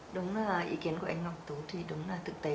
đúng là ý kiến của anh ngọc tú thì đúng là thực tế